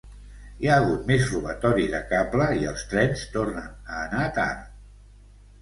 Hi ha hagut més robatori de cable i els trens tornen a anar tard